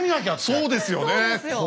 そうですよ。